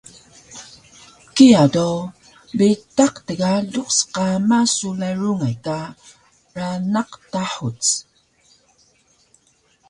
Kiya do bitaq tgaluk sqama sulay rungay ka ranaq tahuc